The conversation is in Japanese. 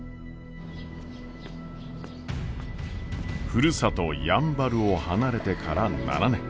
ふるさとやんばるを離れてから７年。